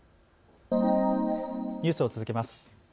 ニュースを続けます。